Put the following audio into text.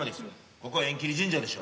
ここは縁切り神社でしょ。